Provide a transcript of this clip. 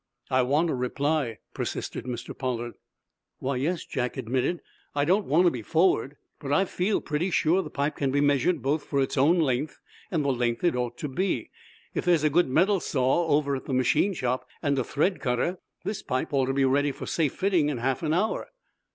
"I want a reply," persisted Mr. Pollard. "Why, yes," Jack admitted. "I don't want to be forward, but I feel pretty sure the pipe can be measured both for its own length and the length it ought to be. If there's a good metal saw over at the machine shop, and a thread cutter, this pipe ought to be ready for safe fitting in half an hour."